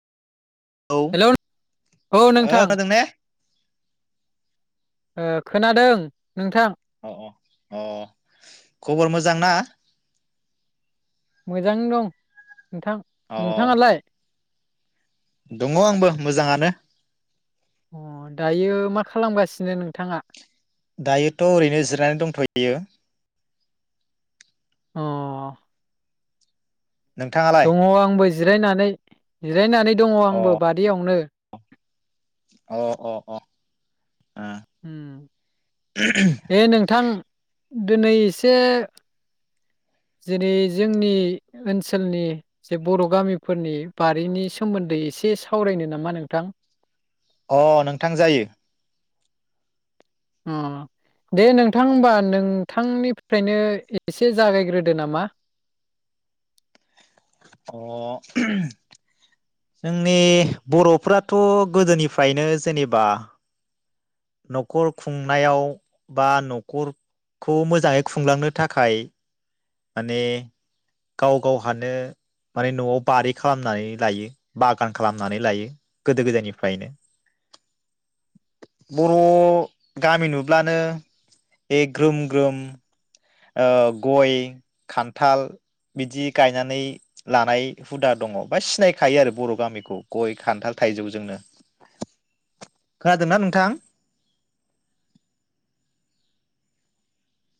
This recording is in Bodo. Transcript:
औ ओ हेल' औ नोंथां खोनादों ने खोनादों नोंथां अ अ अ खबर मोजां ना? मोजांङैनो दं। नोंथां अ नोंथाङालाय? दङ आंबो मोजाङानो। अ दायो मा खालामगासिनो नोंथाङा? दायोथ' ओरैनो जिरायनानै दंथ'यो। अ नोंथाङालाय दङ आंबो जिरायनानै जिरायनानै दङ अ आंबो बारियावनो। अ अ अ ओम बे नोंथां दिनै एसे जेरै जोंनि ओनसोलनि जे बर' गामिफोरनि बारिनि सोमोन्दै एसे सावरायनो नामा नोंथां? अ नोंथां जायो। अ दे नोंथां होनबा नोंथांनिफ्रायनो एसे जागायग्रोदो नामा अ जोंनि बर'फोराथ गोदोनिफ्रायनो जेनेबा न'खर खुंनायाव बा न'खरखौ मोजाङै खुंलांनो थाखाय माने गाव गावहानो माने न'आव बारि खालामनानै लायो बागान खालामनानै लायो गोदो गोदायनिफ्रायनो बर' गामि नुब्लानो बे ग्रोम ग्रोम गय खान्थाल बिदि गायनानै लानाय हुदा दङ बा सिनायखायो आरो बर' गामिखौ गय खान्थाल थाइजौजोंनो। खोनादोंना नोंथां?